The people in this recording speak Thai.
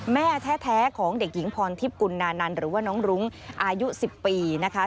แม่แท้ของเด็กหญิงพรทิพย์กุณนานันต์หรือว่าน้องรุ้งอายุ๑๐ปีนะคะ